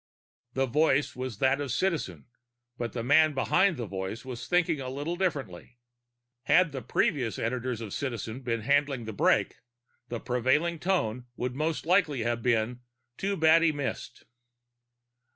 _ The voice was that of Citizen, but the man behind the voice was thinking a little differently. Had the previous editors of Citizen been handling the break, the prevailing tone would most likely have been too bad he missed.